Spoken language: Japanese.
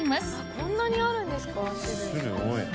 こんなにあるんですか種類。